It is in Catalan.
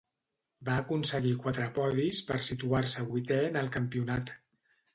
Va aconseguir quatre podis per situar-se vuitè en el campionat.